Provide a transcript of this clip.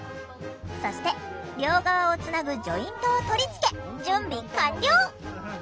そして両側をつなぐジョイントを取り付け準備完了！